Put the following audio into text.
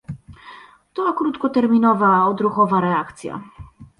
To krótkoterminowa, odruchowa reakcja